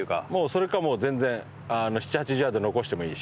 それかもう全然７０８０ヤード残してもいいし。